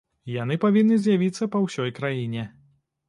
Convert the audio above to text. Яны павінны з'явіцца па ўсёй краіне.